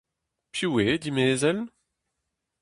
Piv eo, dimezell ?